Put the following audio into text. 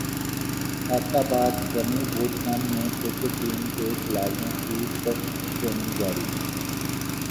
Abbott باد army boot camp میں cricket team کے کھلاڑیوں کی سخت ٹریننگ جاری